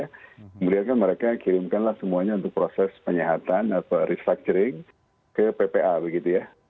kemudian kan mereka kirimkanlah semuanya untuk proses penyehatan atau restructuring ke ppa begitu ya